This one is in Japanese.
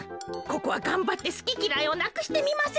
ここはがんばってすききらいをなくしてみませんか。